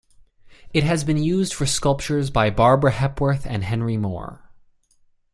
It has been used for sculptures by Barbara Hepworth and Henry Moore.